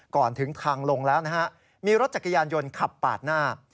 ก่อนถึงทางลงแล้วนะฮะมีรถจักรยานยนต์ขับปาดหน้า